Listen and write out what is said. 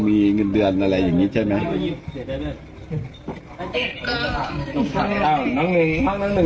มีเงินเดือนอะไรอย่างนี้ใช่ไหม